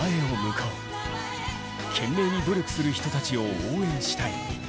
懸命に努力する人たちを応援したい。